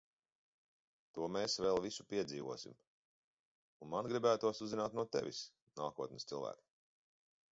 To mēs vēl visu piedzīvosim! Un man gribētos uzzināt no tevis, nākotnes cilvēk.